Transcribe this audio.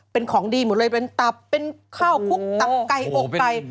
เป็นของดีหมดเลยเป็นตับเป็นข้าวคุกตับไก่อบไก่